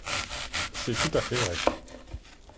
C’est tout à fait vrai